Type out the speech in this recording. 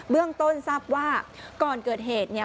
เรื่องต้นทราบว่าก่อนเกิดเหตุเนี่ย